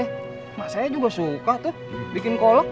emak saya juga suka tuh bikin kolek